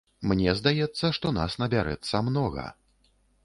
Мне здаецца, што нас набярэцца многа.